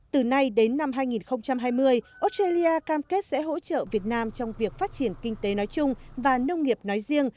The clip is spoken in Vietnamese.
từ nay đến năm hai nghìn hai mươi australia cam kết sẽ hỗ trợ việt nam trong việc phát triển kinh tế nói chung và nông nghiệp nói riêng